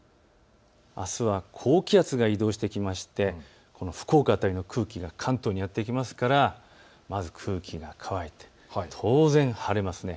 あすは高気圧が移動してきまして福岡辺りの空気が関東にやって来ますからまず空気が乾いて当然、晴れます。